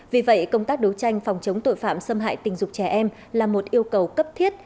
vì vậy công tác đấu tranh phòng chống tội phạm xâm hại tình dục trẻ em là một yêu cầu cấp thiết